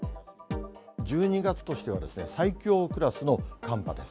１２月としては最強クラスの寒波です。